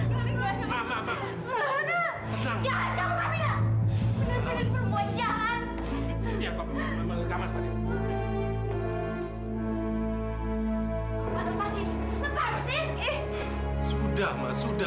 kamu telah memberikan harapan kepada saya untuk ketemu dengan taufan